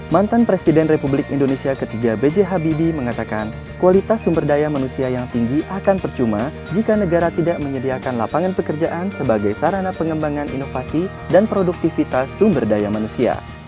mantan presiden republik indonesia ketiga b j habibie mengatakan kualitas sumber daya manusia yang tinggi akan percuma jika negara tidak menyediakan lapangan pekerjaan sebagai sarana pengembangan inovasi dan produktivitas sumber daya manusia